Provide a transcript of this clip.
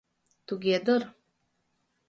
— Туге дыр.